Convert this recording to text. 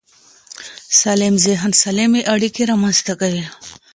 سالم ذهن سالمې اړیکې رامنځته کوي.